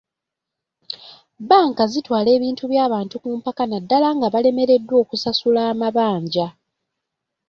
Bbanka zitwala ebintu by'abantu ku mpaka na ddala nga balemereddwa okusasula amabanja.